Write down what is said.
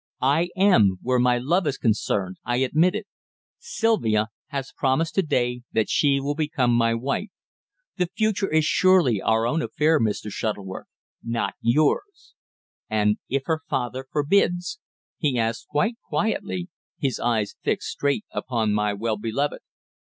"I am, where my love is concerned," I admitted. "Sylvia has promised to day that she will become my wife. The future is surely our own affair, Mr. Shuttleworth not yours!" "And if her father forbids?" he asked quite quietly, his eyes fixed straight upon my well beloved.